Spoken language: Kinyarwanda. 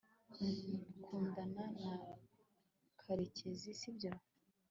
ukundana na karekezi, sibyo